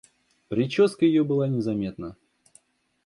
Прическа ее была незаметна.